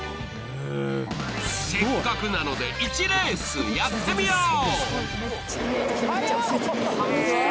せっかくなので１レースやってみよう。